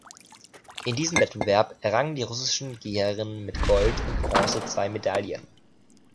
In diesem Wettbewerb errangen die russischen Geherinnen mit Gold und Bronze zwei Medaillen.